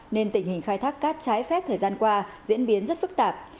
nên tình hình khai thác cát trái phép thời gian qua diễn biến rất phức tạp